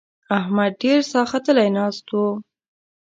احمد ډېر ساختلی ناست وو.